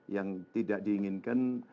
yang tidak diinginkan